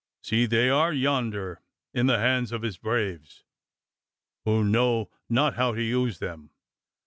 See! they are yonder in the hands of his braves, who know not how to use them.